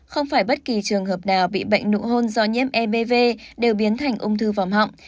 không phải bất kỳ trường hợp nào bị bệnh nụ hôn do nhiễm ev đều biến thành ung thư vòng họng